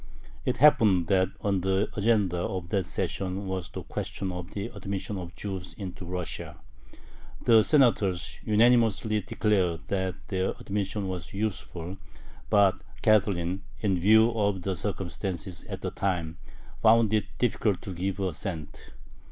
It happened that on the agenda of that session was the question of the admission of Jews into Russia. The Senators unanimously declared that their admission was useful, but Catherine, in view of the circumstances at the time, found it difficult to give her assent.